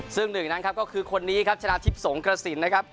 ซึ่งหนึ่งนั้นครับก็คือคนนี้ครับชนะทิพย์สงกระสินนะครับ